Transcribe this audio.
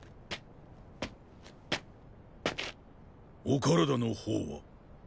お身体の方は。